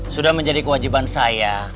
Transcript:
sudah menjadi kewajiban saya